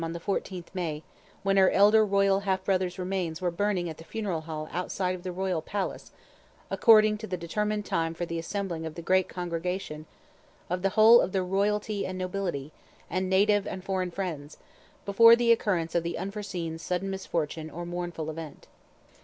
on the 14th May, when her elder royal half brother's remains were burning at the funeral hall outside of the royal palace, according to the determined time for the assembling of the great congregation of the whole of the royalty & nobility, and native & foreign friends, before the occurrence of the unforeseen sudden misfortune or mournful event.